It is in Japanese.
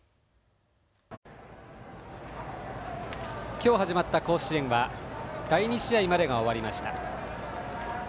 今日始まった甲子園は第２試合までが終わりました。